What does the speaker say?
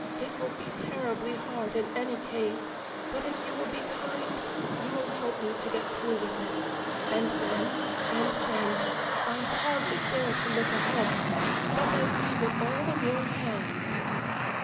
It will be terribly hard in any case, but if you will be kind you will help me to get through with it, and then, and then I hardly dare to look ahead but I leave it all in your hands.